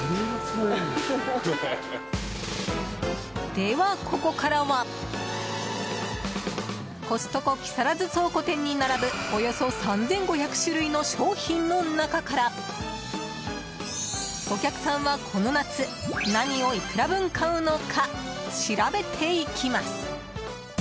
では、ここからはコストコ木更津倉庫店に並ぶおよそ３５００種類の商品の中からお客さんはこの夏、何をいくら分買うのか調べていきます。